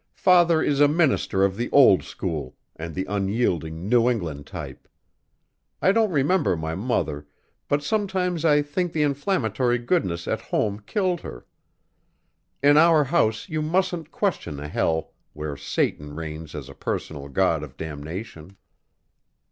Father is a minister of the old school and the unyielding New England type. I don't remember my mother, but sometimes I think the inflammatory goodness at home killed her. In our house you mustn't question a hell where Satan reigns as a personal god of Damnation.